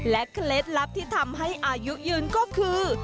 เคล็ดลับที่ทำให้อายุยืนก็คือ